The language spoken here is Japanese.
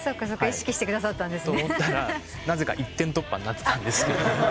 意識してくださったんですね。と思ったらなぜか一点突破になってたんですけど。